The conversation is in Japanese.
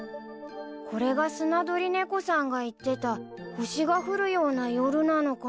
これがスナドリネコさんが言ってた星が降るような夜なのかな？